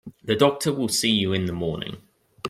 The doctor will see you in the morning.